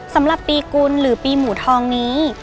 สำหรับปีกุลหรือปีหมูทองนี้